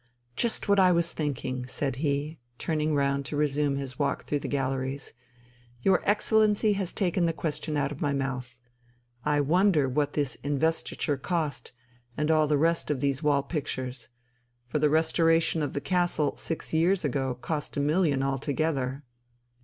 "Just what I was thinking!" said he, turning round to resume his walk through the galleries. "Your Excellency has taken the question out of my mouth. I wonder what this 'Investiture' cost, and all the rest of these wall pictures. For the restoration of the castle six years ago cost a million altogether."